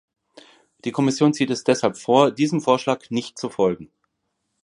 Die Kommission zieht es deshalb vor, diesem Vorschlag nicht zu folgen.